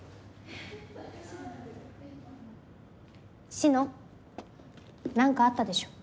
志乃何かあったでしょ。